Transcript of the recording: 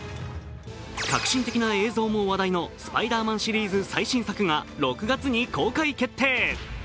革新的な映像も話題の「スパイダーマン」シリーズ最新作が６月に公開決定。